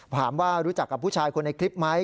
รู้จักกับผู้ชายคนในคลิปไหม